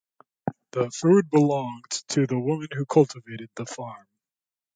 The food belonged to the woman who cultivated the farm.